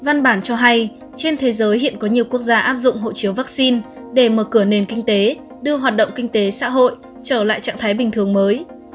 văn bản cho hay trên thế giới hiện có nhiều quốc gia áp dụng hộ chiếu vaccine để mở cửa nền kinh tế đưa hoạt động kinh tế xã hội trở lại trạng thái bình thường mới